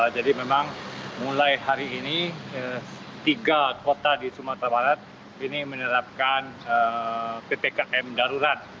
jadi memang mulai hari ini tiga kota di sumatera barat ini menerapkan ppkm darurat